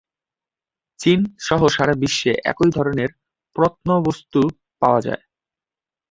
চীনসহ সারা বিশ্বে একই ধরনের প্রত্নবস্তু পাওয়া যায়।